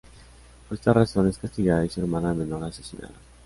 Por esta razón, es castigada y su hermana menor asesinada.